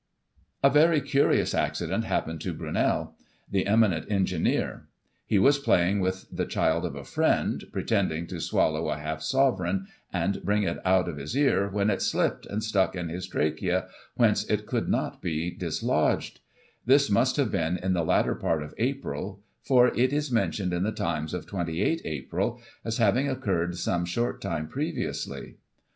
A very curious accident happened to Brunei, the eminent engineer. He was playing with the child of a friend, pre tending to swallow a half sovereign, and bring it out at his ear, when it slipped, and stuck in his trachaea, whence it could not be disloged This must have been in the latter part of April, for it is mentioned in the Times of 28 April, as having occurred some short time previously.